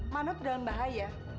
mano tuh dalam bahaya